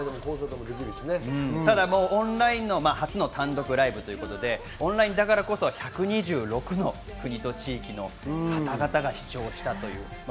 オンライン初の単独ライブということでオンラインだからこそ１２６の国と地域の方々が視聴したんです。